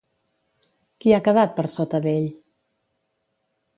Qui ha quedat per sota d'ell?